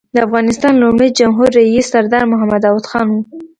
د افغانستان لومړی جمهور رییس سردار محمد داود خان و.